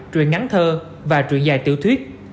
truyền ngắn thơ và truyền dài tiểu thuyết